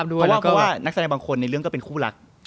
เพราะว่านักแสดงบางคนในเรื่องก็เป็นคู่รัก